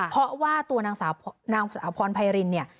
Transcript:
เพราะว่าตัวนางสาวพรไพรินเนี่ย